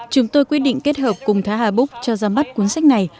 chúng tôi quyết định kết hợp cùng tha hà búc cho giám bắt cuốn sách này